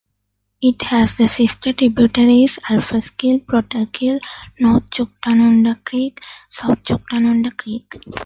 It has the sister-tributaries: Alplaus Kill, Plotter Kill, North Chuctanunda Creek, South Chuctanunda Creek.